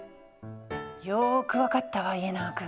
よく分かったわ家長君。